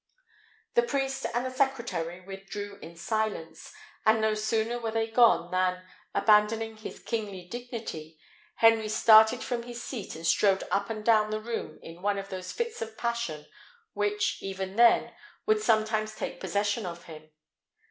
The priest and the secretary withdrew in silence; and no sooner were they gone, than, abandoning his kingly dignity, Henry started from his seat, and strode up and down the room in one of those fits of passion which, even then, would sometimes take possession of him.